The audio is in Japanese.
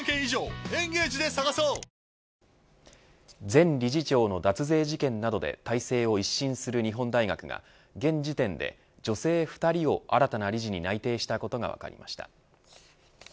前理事長の脱税事件などで体制を一新する日本大学が現時点で女性２人を新たな理事に内定したことが分かりました。